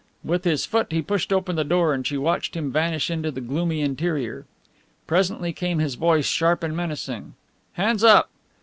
With his foot he pushed open the door and she watched him vanish into the gloomy interior. Presently came his voice, sharp and menacing: "Hands up!"